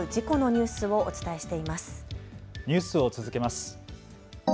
ニュースを続けます。